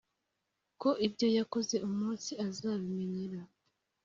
ko ibyo yakoze umunsi azabimenyera